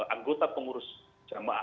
anggota pengurus jamaah